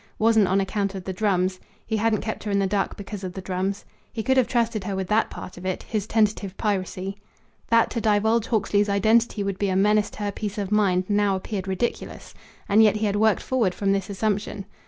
Wasn't on account of the drums. He hadn't kept her in the dark because of the drums. He could have trusted her with that part of it his tentative piracy. That to divulge Hawksley's identity would be a menace to her peace of mind now appeared ridiculous; and yet he had worked forward from this assumption.